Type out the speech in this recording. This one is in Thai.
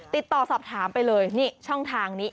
ติดต่อสอบถามไปเลยนี่ช่องทางนี้